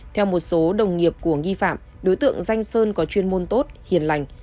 theo một số đồng nghiệp của nghi phạm đối tượng danh sơn có chuyên môn tốt hiền lành